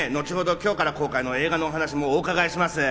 今日から公開の映画のお話もお伺いします。